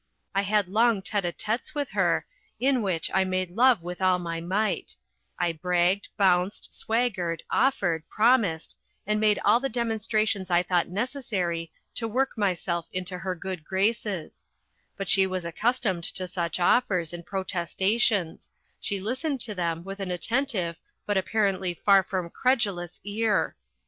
I had long tête à têtes with her, in which I made love with all my might: I bragged, bounced, swaggered, offered, promised, and made all the demonstrations I thought necessary to work myself into her good graces; but as she was accustomed to such offers and protestations, she listened to them with an attentive, but apparently far from credulous ear.